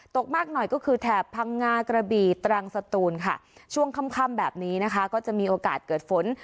ตกมากหน่อยก็คือแถบพังงากระบีตรังสตูนค่ะช่วงค่ำแบบนี้นะคะก็จะมีโอกาสเกิดฝน